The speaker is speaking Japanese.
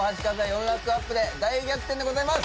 ４ランクアップで大逆転でございます。